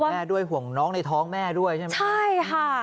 ห่วงแม่ด้วยห่วงน้องในท้องแม่ด้วยใช่ไหม